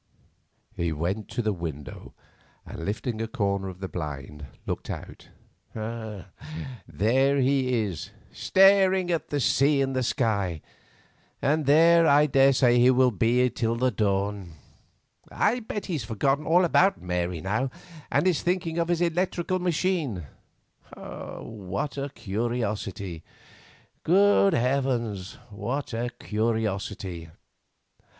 He went to the window, and, lifting a corner of the blind, looked out. "There he is, still staring at the sea and the sky, and there I daresay he will be till dawn. I bet he has forgotten all about Mary now, and is thinking of his electrical machine. What a curiosity! Good heavens; what a curiosity!